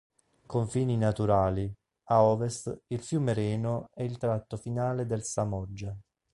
Confini naturali: A ovest, il fiume Reno e il tratto finale del Samoggia.